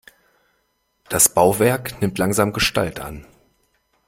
Das Bauwerk nimmt langsam Gestalt an.